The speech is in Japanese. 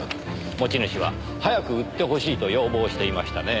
持ち主は早く売ってほしいと要望していましたねぇ。